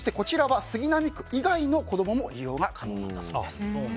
そしてこちらは杉並区以外の子供も利用が可能だそうです。